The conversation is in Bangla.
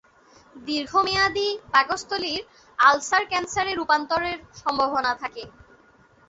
দীর্ঘমেয়াদী পাকস্থলীর আলসার ক্যান্সারে রূপান্তরের সম্ভাবনা থাকে।